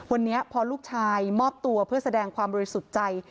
วันนี้พอลูกชายมอบตัวเพื่อแสดงความบริสุทธิ์ใจ